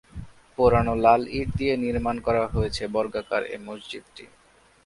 পোড়ানো লাল ইট দিয়ে নির্মাণ করা হয়েছে বর্গাকার এ মসজিদটি।